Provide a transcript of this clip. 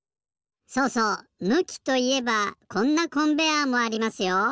そうそう向きといえばこんなコンベヤーもありますよ。